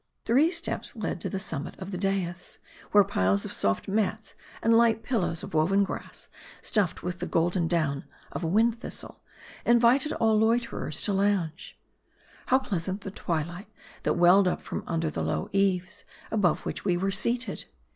Three steps led to the summit of the dais, where piles of soft mats, and light pillows of woven grass, stuffed with the golden down of a wild thistle, invited all loiterers to lounge. How pleasant the twilight that welled up from under the low eaves, above which we were seated.